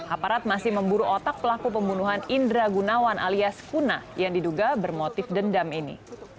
aparat masih memburu otak pelaku pembunuhan indra gunawan alias kuna yang diduga bermotif dendam ini